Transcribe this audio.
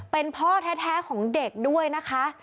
เป็นพ่อแท้ของเด็กด้วยนะคะ